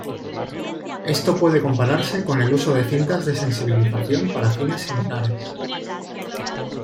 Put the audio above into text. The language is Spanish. Esto puede compararse con el uso de cintas de sensibilización para fines similares.